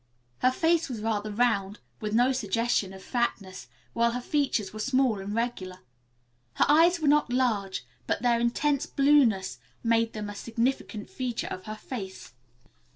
Her face was rather round, with no suggestion of fatness, while her features were small and regular. Her eyes were not large, but their intense blueness made them a significant feature of her face.